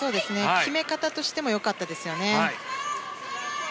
決め方としてもよかったですね。